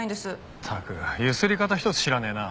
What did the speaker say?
ったくゆすり方一つ知らねえな。